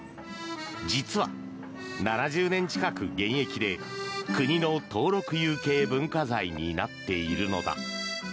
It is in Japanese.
実は、７０年近く現役で国の登録有形文化財になっているのだ。